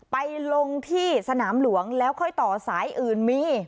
ไปลงที่สนามหลวงแล้วค่อยต่อสายอื่นมี